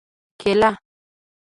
🍌کېله